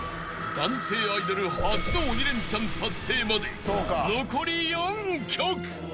［男性アイドル初の鬼レンチャン達成まで残り４曲］